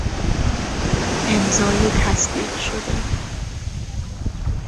امضای تصدیق شده